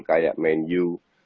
kayak man u